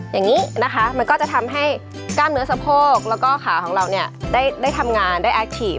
อย่างนี้นะคะมันก็จะทำให้กล้ามเนื้อสะโพกแล้วก็ขาของเราเนี่ยได้ทำงานได้แอคทีฟ